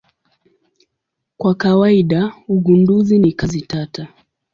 Kwa kawaida ugunduzi ni kazi tata.